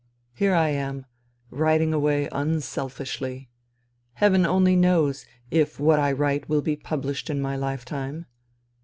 Here am I — ^writing away unselfishly. Heaven only knows if what I write will be published in my lifetime.